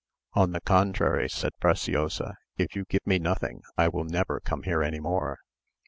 "On the contrary," said Preciosa, "if you give me nothing. I will never come here any more.